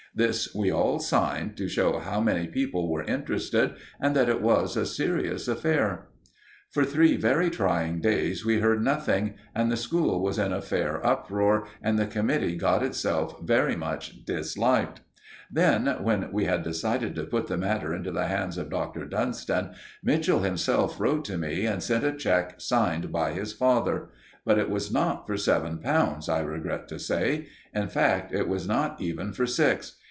This we all signed, to show how many people were interested and that it was a serious affair. For three very trying days we heard nothing, and the school was in a fair uproar, and the committee got itself very much disliked. Then, when we had decided to put the matter into the hands of Dr. Dunston, Mitchell himself wrote to me and sent a cheque signed by his father. But it was not for seven pounds, I regret to say. In fact, it was not even for six.